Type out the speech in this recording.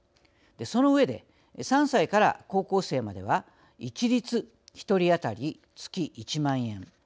その上で、３歳から高校生までは一律、１人当たり月１万円。